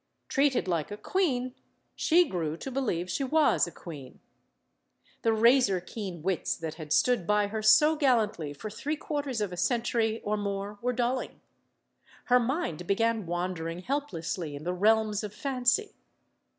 Treated like a queen, she grew to believe she was a queen. The razor keen wits that had stood by her so gallantly for three quarters MADAME JUMEL 113 of a century or more were dulling. Her mind began wandering helplessly in the realms of fancy.